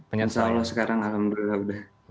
insya allah sekarang alhamdulillah udah